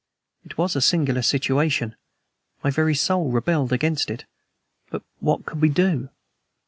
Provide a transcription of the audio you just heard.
It was a singular situation. My very soul rebelled against it. But what could we do?